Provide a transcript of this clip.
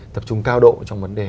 tập trung cao độ trong vấn đề